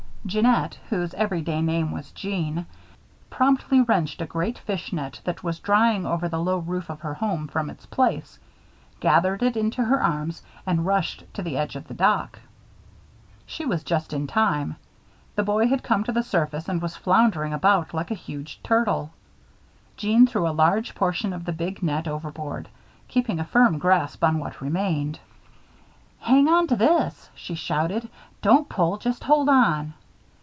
Jeannette, whose everyday name was Jeanne, promptly wrenched a great fish net that was drying over the low roof of her home from its place, gathered it into her arms, and rushed to the edge of the dock. She was just in time. The boy had come to the surface and was floundering about like a huge turtle. Jeanne threw a large portion of the big net overboard, keeping a firm grasp on what remained. "Hang on to this," she shouted. "Don't pull just hold on.